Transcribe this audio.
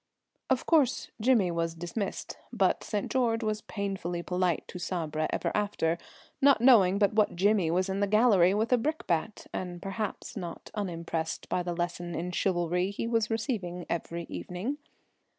Of course, Jimmy was dismissed, but St. George was painfully polite to Sabra ever after, not knowing but what Jimmy was in the gallery with a brickbat, and perhaps not unimpressed by the lesson in chivalry he was receiving every evening.